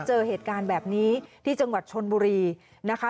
เจอเหตุการณ์แบบนี้ที่จังหวัดชนบุรีนะคะ